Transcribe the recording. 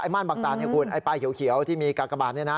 ไอ้มารบังตาเนี้ยคุณไอ้ปลายเขียวเขียวที่มีกากบาลเนี้ยนะ